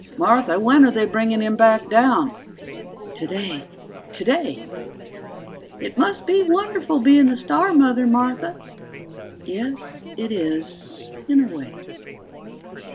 "Martha, when are they bringing him back down?" ("Today ... Today!") "It must be wonderful being a star mother, Martha." ("Yes, it is in a way.")